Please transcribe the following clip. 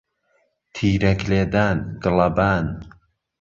تیرەک لێدان، گڵەبان